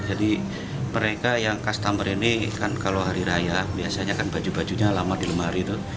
jadi mereka yang customer ini kan kalau hari raya biasanya kan baju bajunya lama di lemari itu